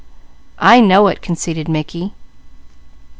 "I know it," conceded Mickey.